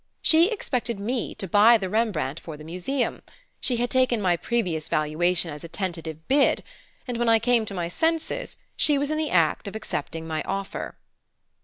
She expected me to buy the Rembrandt for the Museum; she had taken my previous valuation as a tentative bid, and when I came to my senses she was in the act of accepting my offer.